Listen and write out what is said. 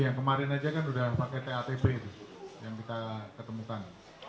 yang kemarin aja kan sudah pakai tatb itu yang kita ketemukan